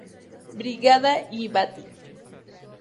Brigada Guivati